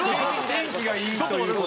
天気がいいという事。